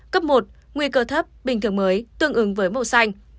cấp một nguy cơ thấp bình thường mới tương ứng với màu xanh